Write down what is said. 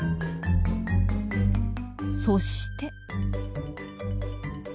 そして。